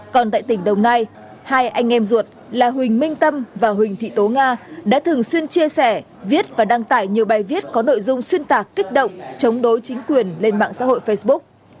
còn tại tỉnh đồng nai hai anh em ruột là huỳnh minh tâm và huỳnh thị tố nga đã thường xuyên chia sẻ viết và đăng tải nhiều bài viết có nội dung xuyên tạc kích động chống đối chính quyền lên mạng xã hội facebook